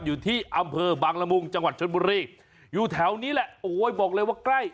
อยู่ที่อำเภอบางละมุงจังหวัดชนบุรีอยู่แถวนี้แหละโอ้ยบอกเลยว่าใกล้